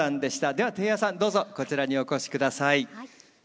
では貞弥さんどうぞこちらにお越しください。